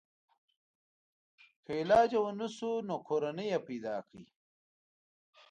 که علاج یې ونشو نو کورنۍ پیدا کړي.